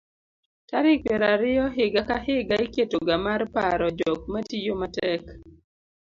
tarik piero ariyo higa ka higa iketoga mar paro jok matiyo matek